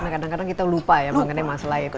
kadang kadang kita lupa ya mengenai masalah itu